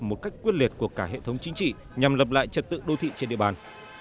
một cách quyết liệt của cả hệ thống chính trị nhằm lập lại trật tự đô thị trên địa bàn